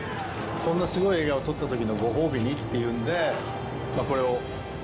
こんなすごい映画を撮ったときのご褒美にっていうんで、これを。